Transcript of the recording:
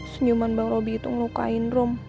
senyuman bang robi itu ngelukain rom